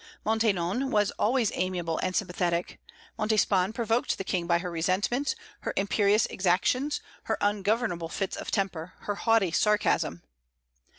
Maintenon was always amiable and sympathetic; Montespan provoked the King by her resentments, her imperious exactions, her ungovernable fits of temper, her haughty sarcasm.